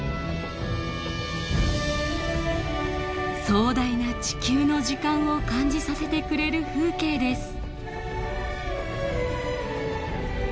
壮大な地球の時間を感じさせてくれる風景です。